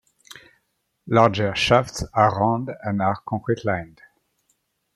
Larger shafts are round and are concrete lined.